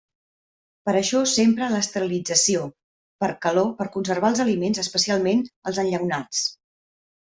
Per això s'empra l'esterilització per calor per conservar els aliments, especialment els enllaunats.